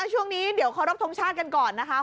ช่วงนี้เดี๋ยวขอรบทรงชาติกันก่อนนะคะ